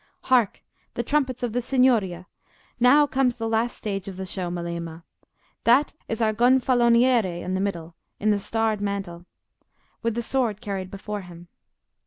"Hark! the trumpets of the Signoria: now comes the last stage of the show, Melema. That is our Gonfaloniere in the middle, in the starred mantle, with the sword carried before him.